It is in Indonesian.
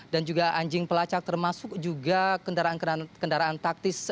dan juga anjing pelacak termasuk juga kendaraan kendaraan taktis